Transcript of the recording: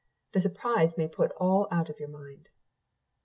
The surprise may put all out of your mind.